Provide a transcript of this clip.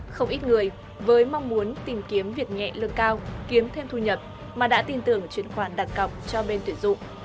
không ít người với mong muốn tìm kiếm việc nhẹ lương cao kiếm thêm thu nhập mà đã tin tưởng chuyển khoản đặt cọc cho bên tuyển dụng